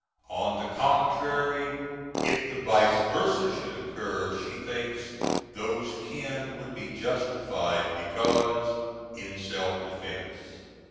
On the contrary, if the vice versa should occur, she thinks "those kin" would be justified, because in self defence.